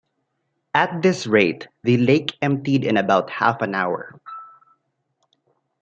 At this rate, the lake emptied in about half an hour.